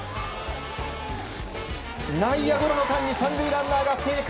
内野ゴロの間に３塁ランナーが生還！